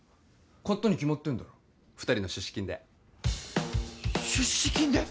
買ったに決まってんだろ二人の出資金で出資金で？